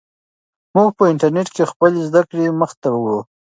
موږ په انټرنیټ کې خپلې زده کړې مخ ته وړو.